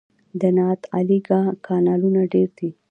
د نادعلي کانالونه ډیر دي